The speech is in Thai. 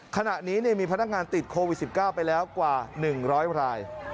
ขณะนี้มีพนักงานติดโควิด๑๙ไปแล้วกว่า๑๐๐ราย